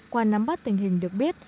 qua nắm bắt tình hình được biết